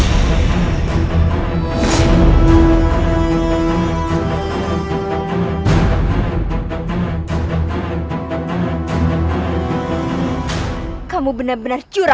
kami akan membuatmu menjadi saudara